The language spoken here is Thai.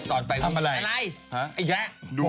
อ่ะต่อไปทำอะไรอะไรอีกแล้ว